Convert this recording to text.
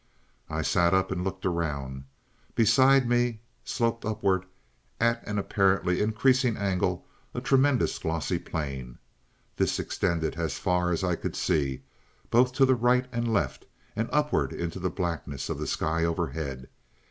"I sat up and looked around. Beside me, sloped upward at an apparently increasing angle a tremendous glossy plane. This extended, as far as I could see, both to the right and left and upward into the blackness of the sky overhead.